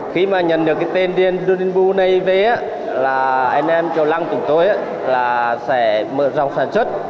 khi mà nhận được cái tên đền đền bù này về là anh em triệu lăng tụi tôi sẽ mượn dòng sản xuất